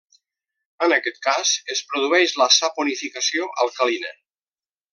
En aquest cas es produeix la saponificació alcalina.